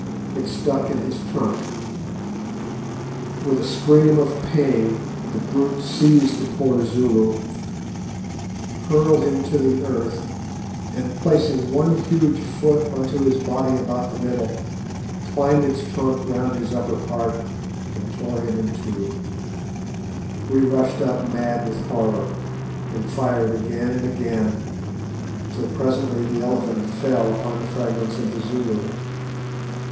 It stuck in his trunk. With a scream of pain, the brute seized the poor Zulu, hurled him to the earth, and placing one huge foot on to his body about the middle, twined its trunk round his upper part and tore him in two. We rushed up mad with horror, and fired again and again, till presently the elephant fell upon the fragments of the Zulu.